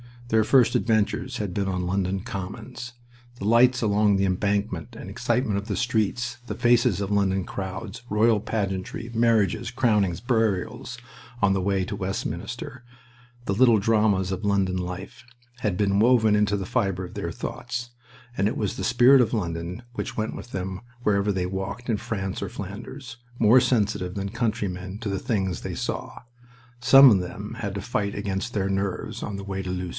Their first adventures had been on London Commons. The lights along the Embankment, the excitement of the streets, the faces of London crowds, royal pageantry marriages, crownings, burials on the way to Westminster, the little dramas of London life, had been woven into the fiber of their thoughts, and it was the spirit of London which went with them wherever they walked in France or Flanders, more sensitive than country men to the things they saw. Some of them had to fight against their nerves on the way to Loos.